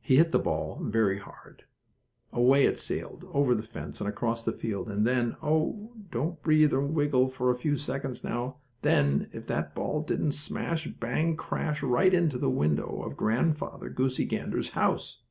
He hit the ball very hard. Away it sailed, over the fence and across the field, and then, oh, don't breathe or wiggle for a few seconds now! then, if that ball didn't smash, bang, crash right into the window of Grandfather Goosey Gander's house!